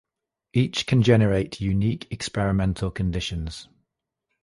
Each can generate unique experimental conditions.